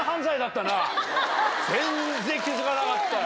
全然気付かなかったよ。